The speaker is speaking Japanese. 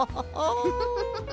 フフフフ。